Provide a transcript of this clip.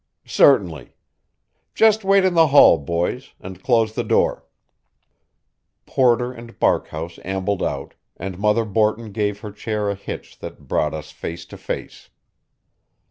"Certainly. Just wait in the hall, boys; and close the door." Porter and Barkhouse ambled out, and Mother Borton gave her chair a hitch that brought us face to face.